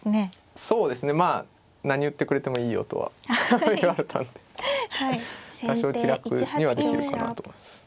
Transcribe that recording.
そうですねまあ何言ってくれてもいいよとは言われたんで多少気楽にはできるかなと思います。